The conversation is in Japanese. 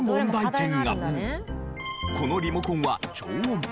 このリモコンは超音波